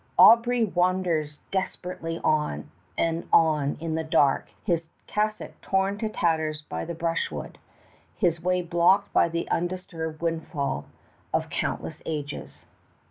Aubry wanders desperately on and on in the dark, his cassock torn to tatters by the brushwood, his way blocked by the undisturbed windfall of countless ages